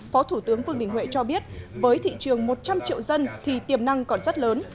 phó thủ tướng vương đình huệ cho biết với thị trường một trăm linh triệu dân thì tiềm năng còn rất lớn